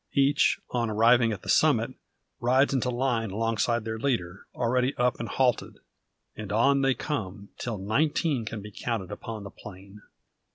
Each, on arriving at the summit, rides into line alongside their leader, already up and halted. And on they come, till nineteen can be counted upon the plain.